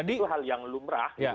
itu hal yang lumrah